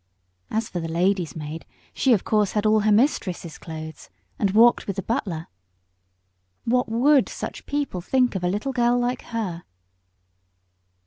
As for the lady's maid, she of course had all her mistress's clothes, and walked with the butler. What would such people think of a little girl like her!